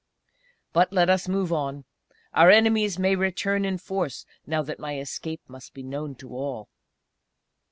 "But let us move on; our enemies may return in force, now that my escape must be known to all."